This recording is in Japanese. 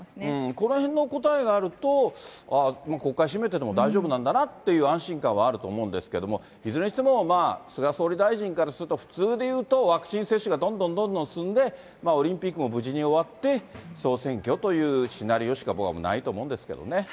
このへんの答えがあると、ああ、国会閉めてても大丈夫なんだなっていう安心感はあると思うんですけれども、いずれにしても菅総理大臣からすると、普通でいうと、ワクチン接種がどんどんどんどん進んで、オリンピックも無事に終わって総選挙というシナリオしか僕はないと思うんですけどね。